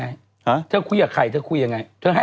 ผมก็คุยอย่างนี้